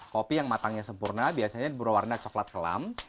kopi yang matangnya sempurna biasanya berwarna coklat kelam